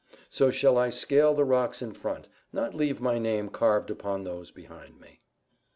So shall I scale the rocks in front, not leave my name carved upon those behind me."